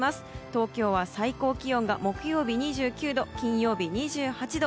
東京は最高気温が木曜日２９度、金曜日２８度。